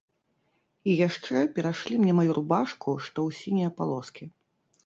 І яшчэ перашлі мне маю рубашку, што ў сінія палоскі.